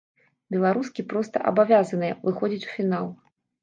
Беларускі проста абавязаныя выходзіць у фінал.